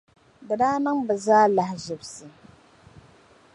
di daa niŋ bɛ zaa lahaʒibisi.